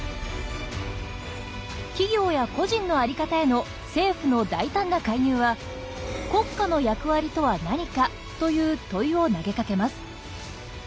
企業や個人の在り方への政府の大胆な介入は「国家の役割とは何か」という問いを投げかけます。